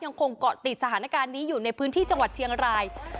เกาะติดสถานการณ์นี้อยู่ในพื้นที่จังหวัดเชียงราย